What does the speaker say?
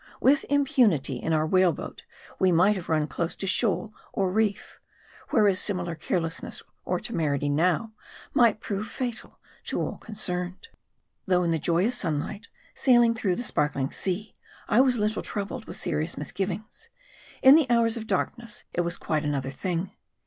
With impu nity, in our whale boat, we might have run close to shoal or reef; whereas, similar carelessness or temerity now, might prove fatal to all concerned. Though in the joyous sunlight, sailing through the spark ling sea, I was little troubled with serious misgivings ; in the hours of darkness it was quite another thing.